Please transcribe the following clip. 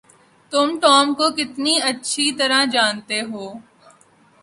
تم ٹام کو کتنی اچھی طرح جانتے ہو؟